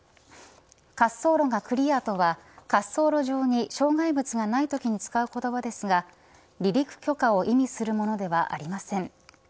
滑走路がクリアーとは滑走路上に障害物がないときに使う言葉ですが離陸許可を意味するものではありません。